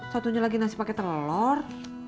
satunya lagi nasi pakai telur